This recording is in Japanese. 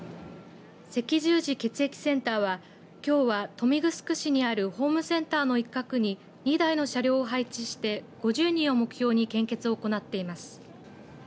赤十字血液センターはきょうは、豊見城市にあるホームセンターの一角に２台の車両を配置して５０人を目標に献血を行っています。